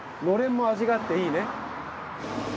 のれんも味があっていいね。ＯＫ！